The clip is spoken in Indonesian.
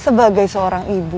sebagai seorang ibu